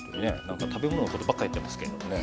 なんか食べ物のことばっかやってますけれどもね。